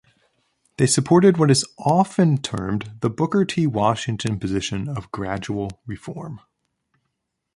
They supported what is often termed the Booker T. Washington position of gradual reform.